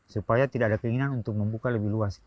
supaya tidak ada keinginan untuk membuka lebih luas